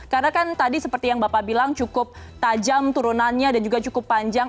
karena kan tadi seperti yang bapak bilang cukup tajam turunannya dan juga cukup panjang